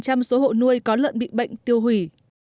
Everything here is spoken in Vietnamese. các hộ nuôi có lợn bị bệnh tiêu hủy